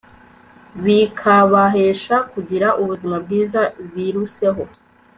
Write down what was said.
bikabahesha kugira ubuzima bwiza biruseho